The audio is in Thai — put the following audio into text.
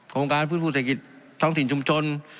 โครงการฟื้นฟูเศรษฐกิจท้องถิ่นชุมชน